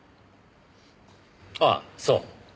ああそう。